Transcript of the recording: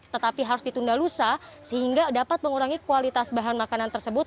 tetapi harus ditunda lusa sehingga dapat mengurangi kualitas bahan makanan tersebut